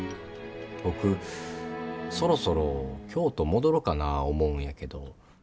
僕そろそろ京都戻ろかな思うんやけど。